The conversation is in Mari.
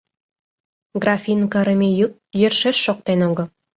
Графин кырыме йӱк йӧршеш шоктен огыл.